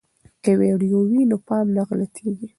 که ویډیو وي نو پام نه غلطیږي.